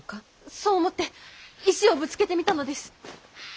そう思って石をぶつけてみたのです。